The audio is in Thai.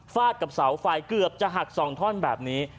กับเสาไฟเกือบจะหัก๒ท่อนแบบนี้